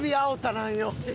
なんよ。